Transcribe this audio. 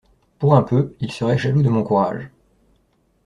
Pour un peu, ils seraient jaloux de mon courage.